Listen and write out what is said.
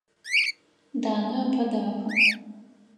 Данэ ыпэ дахэ.